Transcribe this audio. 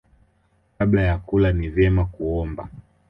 Kabla ya kula ni vyema kuomba.